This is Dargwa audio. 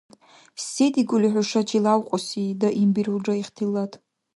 — Се дигули хӀушачи лявкьуси? — даимбирулра ихтилат.